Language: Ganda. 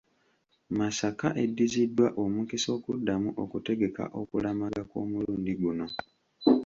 Masaka eddiziddwa omukisa okuddamu okutegeka okulamaga kw’omulundi guno.